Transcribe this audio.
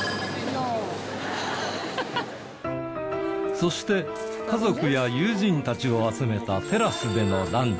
そして家族や友人たちを集めたテラスでのランチ。